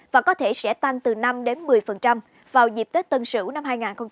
và có thể sẽ tăng từ năm một mươi vào dịp tết tân sửu năm hai nghìn hai mươi một